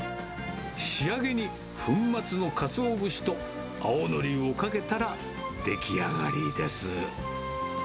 仕上げに粉末のかつお節と青のりをかけたら出来上がりです。